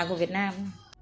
à của việt nam